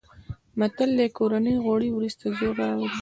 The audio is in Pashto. متل دی: کورني غوړي ورسته زور راولي.